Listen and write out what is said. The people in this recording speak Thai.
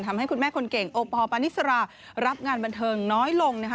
ทำให้คุณแม่คนเก่งโอปอลปานิสรารับงานบันเทิงน้อยลงนะคะ